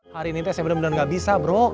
hari ini saya bener bener gak bisa bro